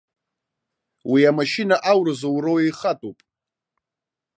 Уи амашьына ауразоуроу еихатәуп.